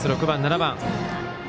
６番、７番。